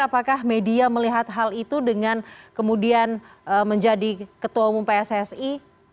apakah media melihat hal itu dengan kemudian menjadi ketua umum pssi